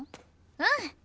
うん！